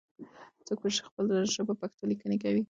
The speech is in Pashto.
څوک په پښتو ژبه ښکلې لیکنې کوي؟